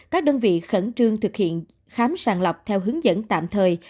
các đơn vị khẩn trương thực hiện khám sàng lọc theo hướng dẫn tạm thời